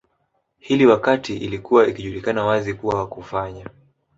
hili wakati ilikuwa ikijulikana wazi kuwa kufanya